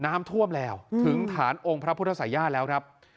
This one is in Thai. น้ำท่วมแล้วถึงฐานองค์พระพุทธศัยญาติแล้วครับ